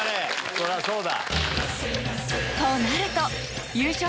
そりゃそうだ。